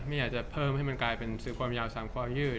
อยากจะเพิ่มให้มันกลายเป็นสื่อความยาว๓ความยืด